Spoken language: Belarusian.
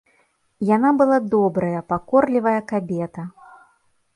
Яна была добрая, пакорлівая кабета.